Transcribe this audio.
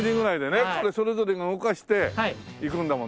それぞれが動かして行くんだもんね。